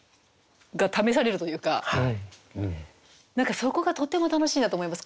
何かそこがとても楽しいなと思います。